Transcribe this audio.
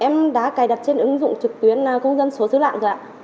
em đã cài đặt trên ứng dụng trực tuyến công dân số xứ lạng rồi ạ